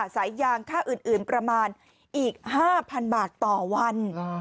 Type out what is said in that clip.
สายยางค่าอื่นประมาณอีก๕๐๐๐บาทต่อวัน